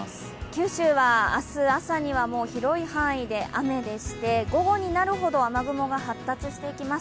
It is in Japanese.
九州は明日朝には広い範囲で雨でして午後になるほど雨雲が発達していきます。